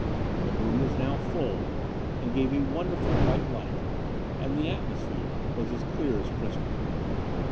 The moon was now full, and gave a wonderful white light; and the atmosphere was as dear as crystal.